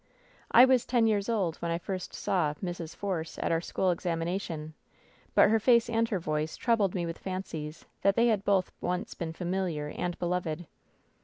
I was ten years old when I first saw 'Mrs. Force' at our school examination, but her face and her voice troubled me with fancies that they had both once been familiar and beloved.